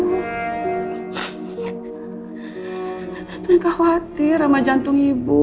gak ada yang khawatir sama jantung ibu